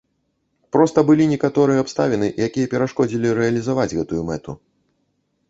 Проста былі некаторыя абставіны, якія перашкодзілі рэалізаваць гэтую мэту.